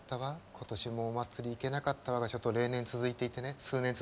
今年もお祭り行けなかったわがちょっと数年続いていてね。